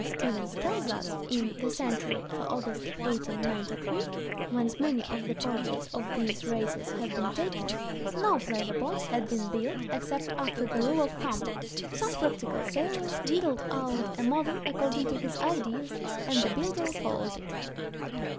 P. Stephens tells us in "The Century" for August, 1893, whence many of the portraits of these racers have been taken, no pleasure boats had been built except after the rule of thumb—some practical sailor whittled out a model according to his ideas, and the builder followed it.